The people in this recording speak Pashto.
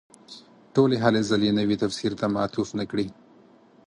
ټولې هلې ځلې نوي تفسیر ته معطوف نه کړي.